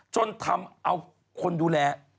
จนทำเอาคนดูแล